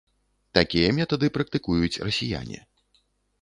Такія метады практыкуюць расіяне.